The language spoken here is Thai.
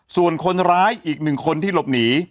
ส่วนคนร้ายอีกหนึ่งคนที่หลบหนี